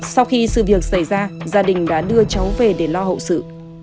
sau khi sự việc xảy ra gia đình đã đưa cháu về để lo hậu sự